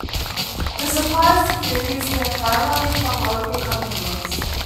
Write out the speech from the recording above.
The supply of securities came primarily from local companies.